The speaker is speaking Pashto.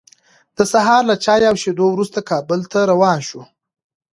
د سهار له چای او شیدو وروسته، کابل ته روان شوو.